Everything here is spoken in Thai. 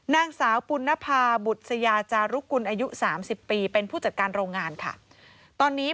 นางสาวปุณนภาบุษยาจารุกุลอายุสามสิบปีเป็นผู้จัดการโรงงานค่ะตอนนี้